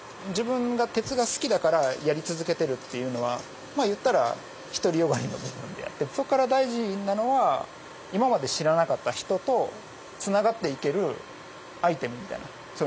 自分が鉄が好きだからやり続けてるっていうのはまあ言ったら独り善がりの部分であってそこから大事なのは今まで知らなかった人とつながっていけるアイテムみたいな。